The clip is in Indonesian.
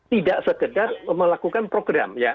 tidak segedar melakukan program